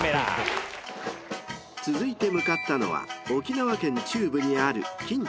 ［続いて向かったのは沖縄県中部にある金武町］